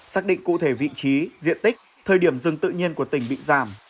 xác định cụ thể vị trí diện tích thời điểm rừng tự nhiên của tỉnh bị giảm